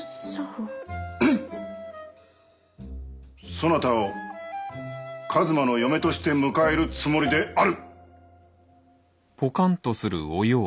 そなたを一馬の嫁として迎えるつもりである。